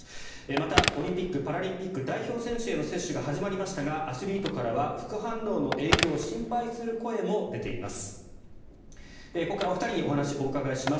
また、オリンピック・パラリンピック代表選手への接種が始まりましたがアスリートからは副反応の影響を心配する声も出ています。